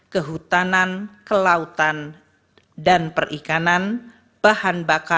lebih lanjut penjelasan dalam pasal delapan ayat dua huruf a angka sebelas